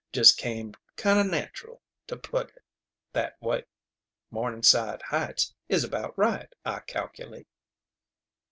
Just came kind of natural to put it that way. Morningside Heights is about right, I calculate."